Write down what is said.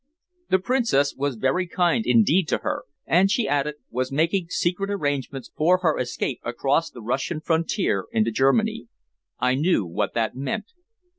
The Princess was very kind indeed to her, and, she added, was making secret arrangements for her escape across the Russian frontier into Germany. I knew what that meant.